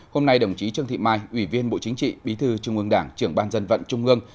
hôm nay đồng chí trương thị mai ủy viên bộ chính trị bí thư trung ương đảng trưởng ban dân vận trung ương